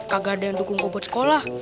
kagak ada yang dukung gua buat sekolah